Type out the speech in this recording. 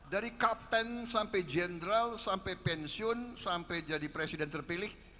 dari kapten sampai general sampai pensiun sampai jadi presiden terpilih